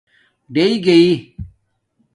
ڈیئ گیئ